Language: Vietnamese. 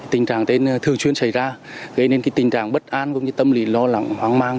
tình trạng trên thường xuyên xảy ra gây nên tình trạng bất an cũng như tâm lý lo lắng hoang mang